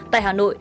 tại hà nội